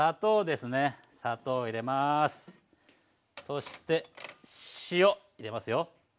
そして塩入れますよ。